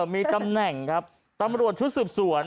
มีตำแหน่งครับตำรวจชุดสืบสวน